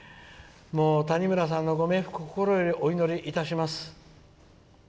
「谷村さんのご冥福を心よりお祈りいたします」。